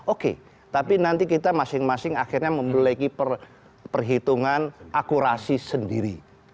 oke tapi nanti kita masing masing akhirnya memiliki perhitungan akurasi sendiri